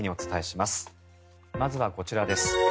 まずはこちらです。